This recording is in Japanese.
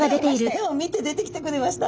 絵を見て出てきてくれました。